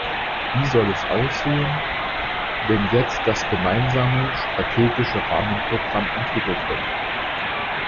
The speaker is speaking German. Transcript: Wie soll es aussehen, wenn jetzt das Gemeinsame Strategische Rahmenprogramm entwickelt wird?